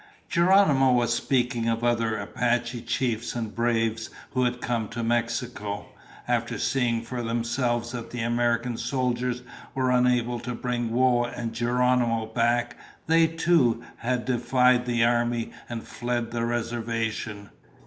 Geronimo was speaking of other Apache chiefs and braves who had come to Mexico. After seeing for themselves that the American soldiers were unable to bring Whoa and Geronimo back, they, too, had defied the Army and fled the reservation.